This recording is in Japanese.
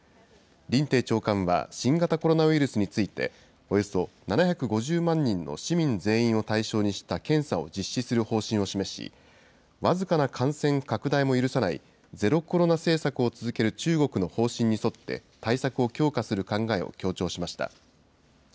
林鄭長官は新型コロナウイルスについて、およそ７５０万人の市民全員を対象にした検査を実施する方針を示し、僅かな感染拡大も許さない、ゼロコロナ政策を続ける中国の方針に沿って、対策を強化する考えを強調しました。